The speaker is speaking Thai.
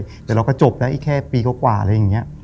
แต่เราก็จบแล้วอีกแค่ปีกว่าอะไรอย่างนี้